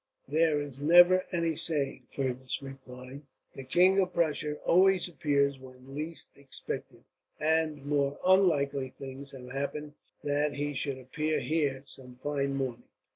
"There is never any saying," Fergus replied. "The King of Prussia always appears when least expected, and more unlikely things have happened than that he should appear here, some fine morning."